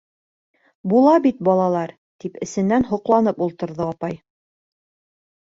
- Була бит балалар, - тип эсенән һоҡланып ултырҙы апай.